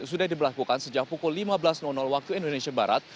sudah diberlakukan sejak pukul lima belas waktu indonesia barat